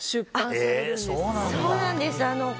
そうなんです。